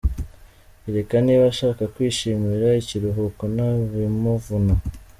Kereka niba ashaka kwishimira ikiruhuko nta bimuvuna.